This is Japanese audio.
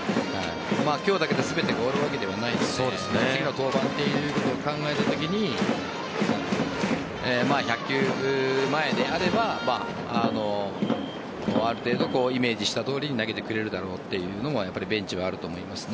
今日だけで全て終わるわけではないですので次の登板ということを考えたときに１００球前であればある程度イメージしたとおりに投げてくれるだろうというのもベンチはあると思います。